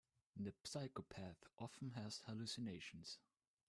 The psychopath often has hallucinations.